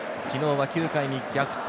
昨日は９回に逆転